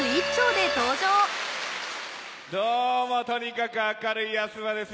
どうもとにかく明るい安村です。